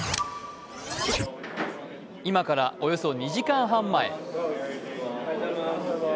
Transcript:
今からおよそ２時間半前。